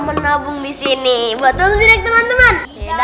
menabung disini betul tidak temen temen